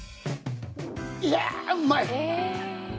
いやあうまい！